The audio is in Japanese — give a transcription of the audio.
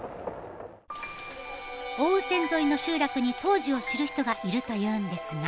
奥羽線沿いの集落に当時を知る人がいるというんですが。